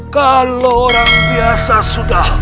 kalau orang biasa sudah